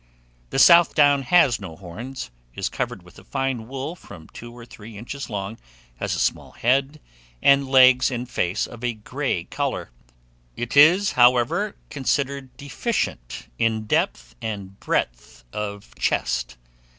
The South Down has no horns, is covered with a fine wool from two to three inches long, has a small head, and legs and face of a grey colour. It is, however, considered deficient in depth and breadth of chest.